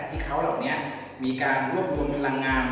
ที่เขาเหล่านี้มีการรวบรวมพลังงาน